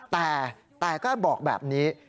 แต่ก็บอกแบบนี้